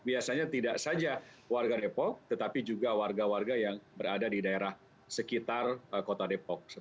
biasanya tidak saja warga depok tetapi juga warga warga yang berada di daerah sekitar kota depok